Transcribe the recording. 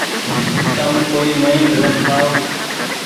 تم ڪوئي نئي ڦلم ٺآئو ۔